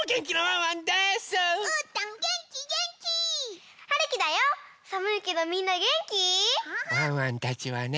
ワンワンたちはね